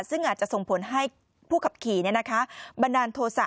ซึ่งอาจจะส่งผลให้ผู้ขับขี่บันดาลโทษะ